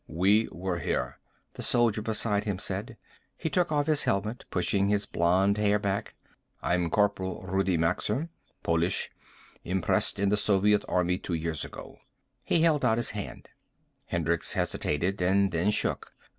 "We were here," the soldier beside him said. He took off his helmet, pushing his blond hair back. "I'm Corporal Rudi Maxer. Polish. Impressed in the Soviet Army two years ago." He held out his hand. Hendricks hesitated and then shook.